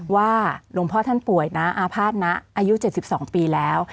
ว่าหลวงพ่อท่านป่วยนะอาภาษณะอายุ๗๒ปีแล้ว